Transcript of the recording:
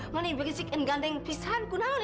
mana berisikin ganteng pisahanku nangis ini